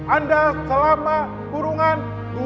anda selama kurungan